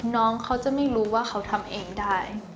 น้องเขาจะไม่รู้ว่าเขาทำเองได้